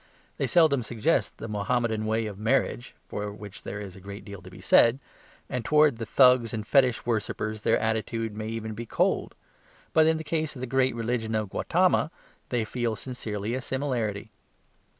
They seldom suggest the Mahommedan view of marriage (for which there is a great deal to be said), and towards Thugs and fetish worshippers their attitude may even be called cold. But in the case of the great religion of Gautama they feel sincerely a similarity.